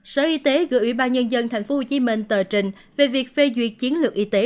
sở y tế gửi ủy ban nhân dân thành phố hồ chí minh tờ trình về việc phê duyệt chiến lược y tế